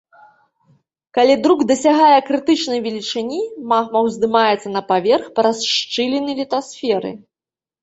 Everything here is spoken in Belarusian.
Калі друк дасягае крытычнай велічыні, магма ўздымаецца на паверх праз шчыліны літасферы.